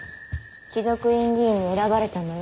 貴族院議員に選ばれたのよ。